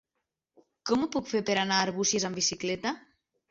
Com ho puc fer per anar a Arbúcies amb bicicleta?